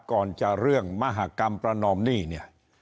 ก่อนจะเรื่องมหากรรมประนอมหนี้เนี่ย